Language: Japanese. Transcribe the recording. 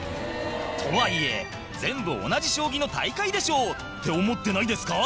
とはいえ、全部同じ将棋の大会でしょうって思ってないですか？